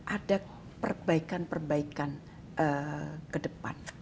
ada perbaikan perbaikan ke depan